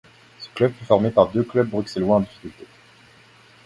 Ce club fut formé par deux clubs bruxellois en difficultés.